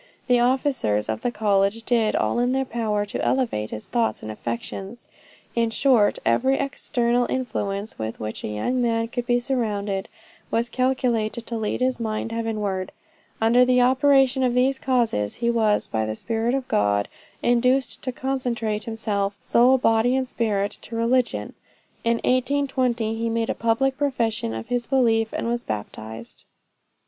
The officers of the college did all in their power to elevate his thoughts and affections. In short, every external influence with which a young man could be surrounded, was calculated to lead his mind heavenward. Under the operation of these causes, he was by the Spirit of God, induced to consecrate himself, soul, body, and spirit, to religion; and in 1820, he made a public profession of his belief and was baptized."